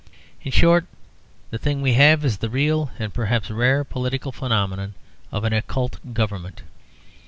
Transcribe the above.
In short, the thing we have is the real and perhaps rare political phenomenon of an occult government.